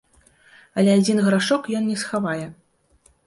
Але адзін грашок ён не схавае.